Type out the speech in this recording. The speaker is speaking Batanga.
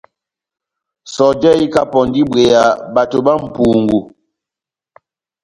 Sɔjɛ ikapɔndi ibweya bato bá mʼpungu.